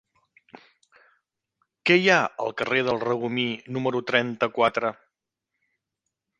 Què hi ha al carrer del Regomir número trenta-quatre?